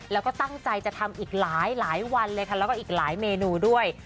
แล้วก็ตั้งใจจะทำอีกหลายวันเลยค่ะแล้วก็อีกหลายเมนูด้วย